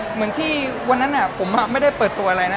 เหมือนที่วันนั้นผมไม่ได้เปิดตัวอะไรนะ